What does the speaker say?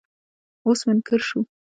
اوس منکر شو.